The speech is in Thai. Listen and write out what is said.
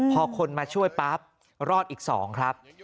พอคนมาช่วยปั๊บรอดอีก๒ครับ